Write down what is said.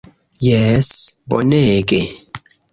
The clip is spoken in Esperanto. Jes bonege!